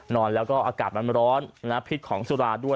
นอนแล้วก็อากาศมันร้อนนะพิษของสุราด้วย